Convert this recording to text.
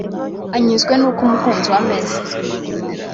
anyuzwe n’uko umukunzi we ameze.